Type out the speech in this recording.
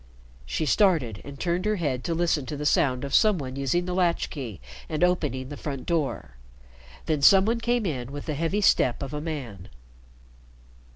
She started and turned her head to listen to the sound of some one using the latch key and opening the front door. The some one came in with the heavy step of a man.